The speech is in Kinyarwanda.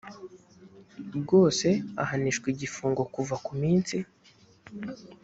bwose ahanishwa igifungo kuva ku minsi